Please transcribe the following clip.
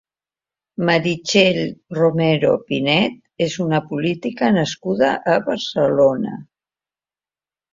Meritxell Romero Pinet és una política nascuda a Barcelona.